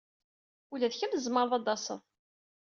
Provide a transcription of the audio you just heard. Ula d kemm tzemreḍ ad d-taseḍ.